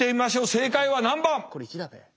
正解は何番。